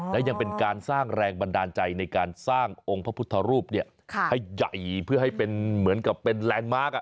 และยังเป็นการสร้างแรงบันดาลใจในการสร้างองค์พระพุทธรูปให้ใหญ่เพื่อให้เป็นเหมือนกับเป็นแลนด์มาร์ค